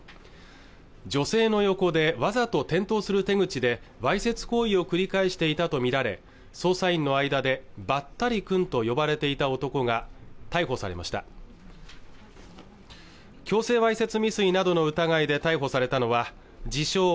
女性の横でわざと転倒する手口でわいせつ行為を繰り返していたと見られ捜査員の間でばったりくんと呼ばれていた男が逮捕されました強制わいせつ未遂などの疑いで逮捕されたのは自称